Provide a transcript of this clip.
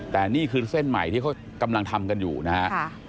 แต่นี่คือเส้นใหม่ที่เขากำลังทำกันอยู่นะฮะ